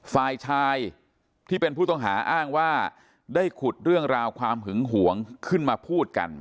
ฝ่ายชายที่เป็นผู้ต้องหาอ้างว่าได้ขุดเรื่องราวความหึงหวงขึ้นมาพูดกัน